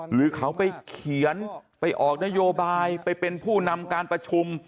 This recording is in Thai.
หรือเขาไปเขียนไปออกนโยบายไปเป็นผู้นำการประชุม